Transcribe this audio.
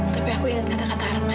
tapi aku ingat kata kata arma